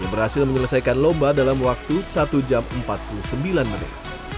berhasil menyelesaikan lomba dalam waktu satu jam empat puluh sembilan menit